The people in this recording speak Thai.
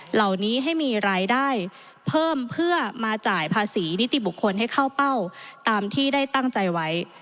เหล่านี้ให้มีรายได้เพิ่มเพื่อมาจ่ายภาษีนิติบุคคลให้เข้าเป้าตามที่ได้ตั้งใจไว้